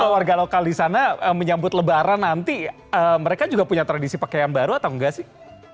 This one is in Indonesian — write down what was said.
kalau warga lokal di sana menyambut lebaran nanti mereka juga punya tradisi pakai yang baru atau enggak sih